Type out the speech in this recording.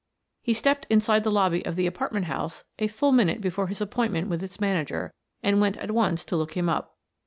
He stepped inside the lobby of the apartment house a full minute before his appointment with its manager, and went at once to look him up.